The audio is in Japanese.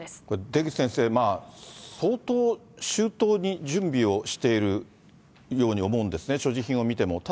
これ、出口先生、相当周到に準備をしているように思うんですね、所持品を見ても。